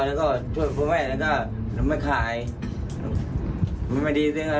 ติดคุกคดีอะไรคดียาเหมือนกันเรียบร้องตัว